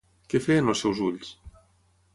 Què feien els seus ulls?